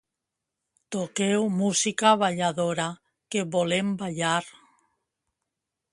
Toqueu música balladora, que volem ballar!